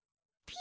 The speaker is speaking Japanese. ピ。